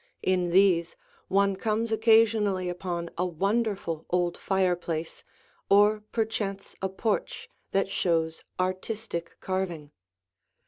In these, one comes occasionally upon a wonderful old fireplace or perchance a porch that shows artistic carving.